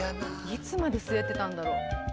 「いつまで吸えてたんだろ」